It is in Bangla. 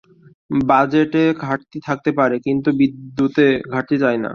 বাজেটে ঘাটতি থাকতে পারে, কিন্তু বিদ্যুতে ঘাটতি চাই না।